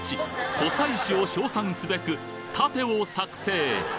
湖西市を称賛すべく盾を作成